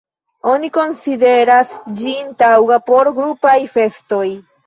Oni konsideras ĝin taŭga por grupaj festoj.